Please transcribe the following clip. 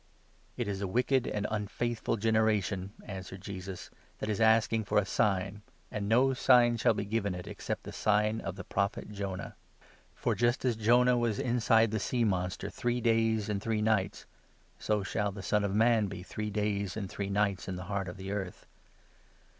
"" It is a wicked and unfaithful generation," answered Jesus, 39 " that is asking for a sign, and no sign shall be given it except the sign of the Prophet Jonah. For, just as 'Jonah was inside 40 the sea monster three days and three nights,' so shall the Son of Man be three days and three nights in the heart of the earth.